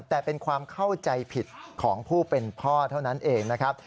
แต่เป็นความเข้าใจผิดของผู้เป็นพ่อเท่านั้นเองนะครับ